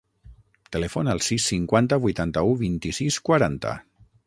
Telefona al sis, cinquanta, vuitanta-u, vint-i-sis, quaranta.